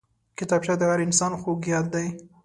کتابچه د هر انسان خوږ یاد دی